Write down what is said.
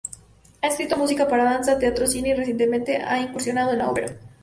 Ha escrito música para danza, teatro, cine y recientemente ha incursionado en la ópera.